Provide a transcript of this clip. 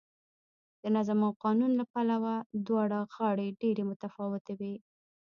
د نظم او قانون له پلوه دواړه غاړې ډېرې متفاوتې وې